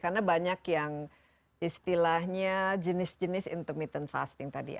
karena banyak yang istilahnya jenis jenis intermittent fasting tadi